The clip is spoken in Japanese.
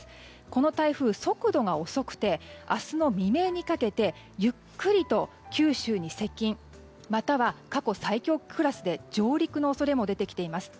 この台風、速度が遅くて明日の未明にかけてゆっくりと九州に接近または過去最強クラスで上陸の恐れも出てきています。